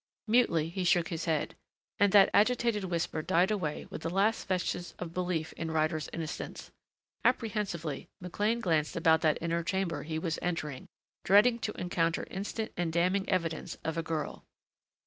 Mutely he shook his head. And that agitated whisper died away with the last vestige of belief in Ryder's innocence. Apprehensively McLean glanced about that inner chamber he was entering, dreading to encounter instant and damning evidence of a girl.